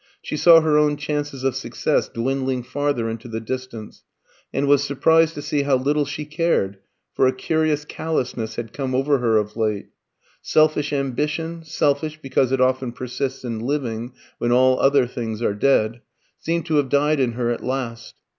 She saw her own chances of success dwindling farther into the distance, and was surprised to see how little she cared, for a curious callousness had come over her of late. Selfish ambition selfish, because it often persists in living when all other things are dead seemed to have died in her at last.